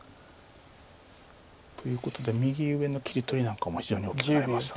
ということで右上の切り取りなんかも非常に大きくなりました。